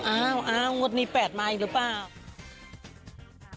อ้าวงดในแปดมาไม่รึเปล่า